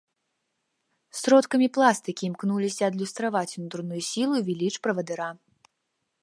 Сродкамі пластыкі імкнуліся адлюстраваць унутраную сілу і веліч правадыра.